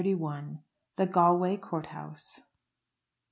THE GALWAY COURT HOUSE.